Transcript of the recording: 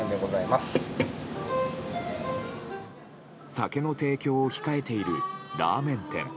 酒の提供を控えているラーメン店。